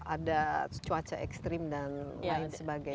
ada cuaca ekstrim dan lain sebagainya